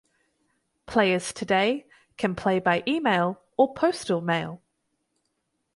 Players today can play by email or postal mail.